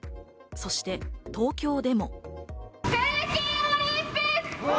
そして東京でも。